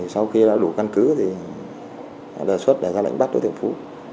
sau khi đã đủ căn cứ thì đề xuất để ra lệnh bắt đối tượng phú